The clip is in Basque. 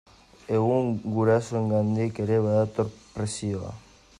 Egun gurasoengandik ere badator presioa.